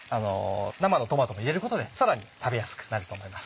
生のトマトも入れることでさらに食べやすくなると思います。